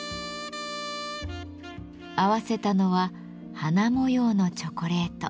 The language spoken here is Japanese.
合わせたのは花模様のチョコレート。